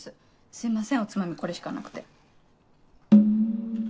すいませんおつまみこれしかなくて。